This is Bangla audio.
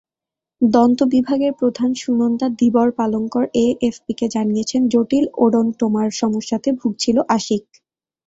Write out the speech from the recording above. দন্ত বিভাগের প্রধান সুনন্দা ধীবর-পালঙ্কর এএফপিকে জানিয়েছেন, জটিল ওডোনটোমার সমস্যাতে ভুগছিল আশিক।